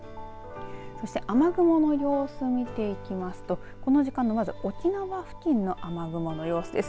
そして、雨雲の様子を見ていきますとこの時間はまず沖縄付近の雨雲の様子です。